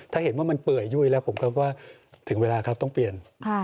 ถ้าเห็นว่ามันเปื่อยยุ่ยแล้วผมก็ว่าถึงเวลาครับต้องเปลี่ยน